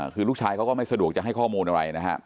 คือลูกชายเขาก็ไม่สะดวกจะให้ข้อมูลอะไรนะฮะ